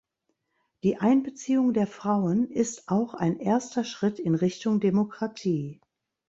Die Einbeziehung der Frauen ist auch ein erster Schritt in Richtung Demokratie.